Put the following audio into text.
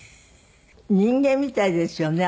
人間みたいですよね